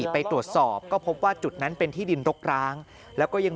ไปตรวจสอบก็พบว่าจุดนั้นเป็นที่ดินรกร้างแล้วก็ยัง